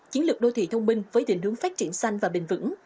chiến lược đô thị thông minh với định hướng phát triển xanh và bền vững